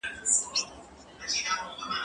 ايا ته خواړه ورکوې!.